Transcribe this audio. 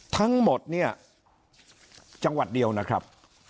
ทั้งหมดเนี่ยจังหวัดเดียวนะครับ